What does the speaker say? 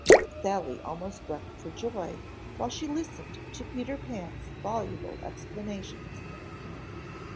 Sally almost wept for joy while she listened to Peter Pan's voluble explanations.